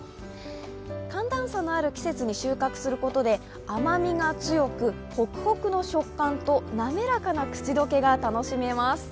寒暖差のある季節に収穫することで甘みが強くホクホクの食感となめらかな口溶けが楽しめます。